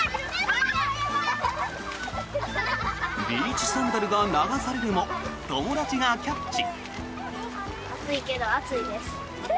ビーチサンダルが流されるも友達がキャッチ。